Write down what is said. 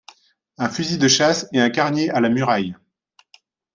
Un fusil de chasse et un carnier à la muraille.